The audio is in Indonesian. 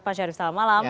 pak syarif selamat malam